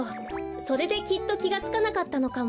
それできっときがつかなかったのかも。